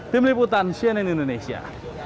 tim liputan cnn indonesia